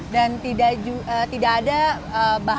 dan tidak ada bahan bahan yang tidak bisa dipotong